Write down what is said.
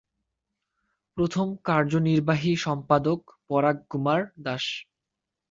প্রথম কার্যনির্বাহী সম্পাদক পরাগ কুমার দাস।